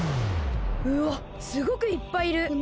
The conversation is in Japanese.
うわっすごくいっぱいいる！